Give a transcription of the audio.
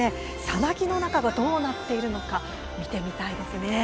さなぎの中がどうなっているのか見てみたいです。